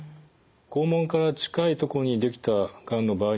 肛門から近いとこにできたがんの場合にはですね